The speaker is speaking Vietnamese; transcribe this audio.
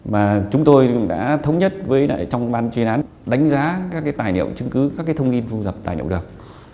mà chúng tôi đã thống nhất với trong ban chuyên án đánh giá các tài liệu chứng cứ các thông tin vô dập tài liệu đặc